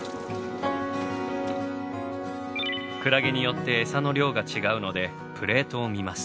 クラゲによってエサの量が違うのでプレートを見ます。